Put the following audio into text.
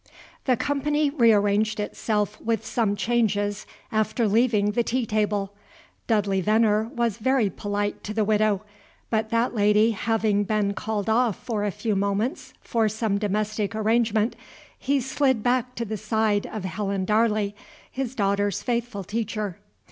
The company rearranged itself with some changes after leaving the tea table. Dudley Veneer was very polite to the Widow; but that lady having been called off for a few moments for some domestic arrangement, he slid back to the side of Helen Darley, his daughter's faithful teacher.